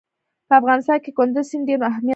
په افغانستان کې کندز سیند ډېر اهمیت لري.